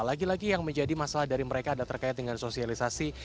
lagi lagi yang menjadi masalah dari mereka adalah terkait dengan sosialisasi